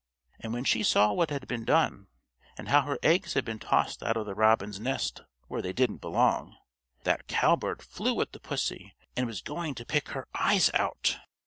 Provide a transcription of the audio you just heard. And when she saw what had been done, and how her eggs had been tossed out of the robin's nest where they didn't belong, that cowbird flew at the pussy and was going to pick her eyes out.